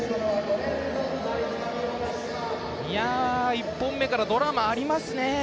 １本目からドラマありますね。